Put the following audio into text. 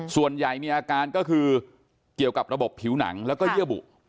ส่วนใหญ่มีอาการก็คือเกี่ยวกับระบบผิวหนังแล้วก็เยื่อบุ